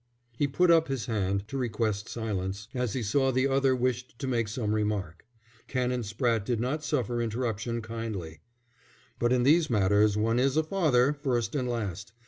He put up his hand to request silence, as he saw the other wished to make some remark. Canon Spratte did not suffer interruption kindly. "But in these matters one is a father first and last.